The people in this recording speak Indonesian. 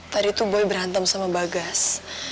tadi itu boy berantem sama bagas